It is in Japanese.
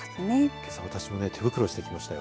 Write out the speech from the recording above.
けさ私も手袋してきましたよ。